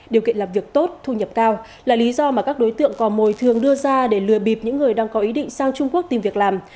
điều kiện làm việc tốt thu nhập cao là lý do mà các đối tượng cò mồi thường đưa ra để lừa bịp những người đang có ý định sang trung quốc tìm việc làm